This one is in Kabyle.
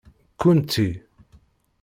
Kkunti.